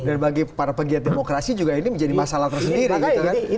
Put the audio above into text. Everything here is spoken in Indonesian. dan bagi para pegiat demokrasi juga ini menjadi masalah tersendiri